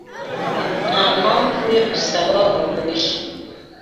Nta mpamvu yo gusaba uruhushya.